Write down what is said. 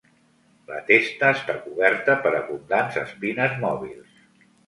La testa està coberta per abundants espines mòbils.